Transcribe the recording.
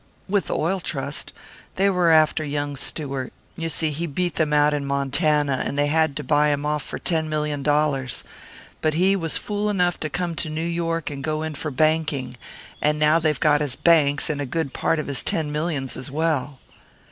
"With the Oil Trust. They were after young Stewart. You see, he beat them out in Montana, and they had to buy him off for ten million dollars. But he was fool enough to come to New York and go in for banking; and now they've got his banks, and a good part of his ten millions as well!"